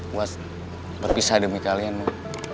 buat berpisah demi kalian mon